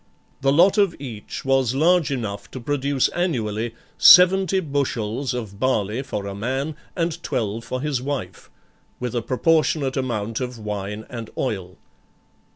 The lot of each was large enough to produce annually seventy bushels of barley for a man and twelve for his wife, with a proportionate amount of wine and oil.